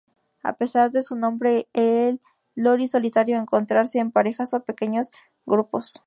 A pesar de su nombre el lori solitario encontrarse en parejas o pequeños grupos.